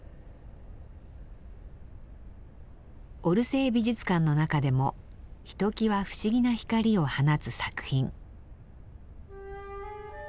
オルセー美術館の中でもひときわ不思議な光を放つ作品。